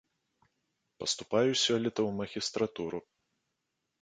Паступаю сёлета ў магістратуру.